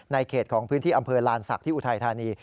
เขตของพื้นที่อำเภอลานศักดิ์อุทัยธานี